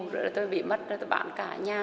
rồi tôi bị mất rồi tôi bán cả nhà